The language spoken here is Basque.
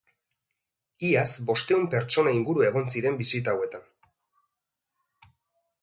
Iaz bostehun pertsona inguru egon ziren bisita hauetan.